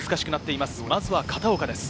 まずは片岡です。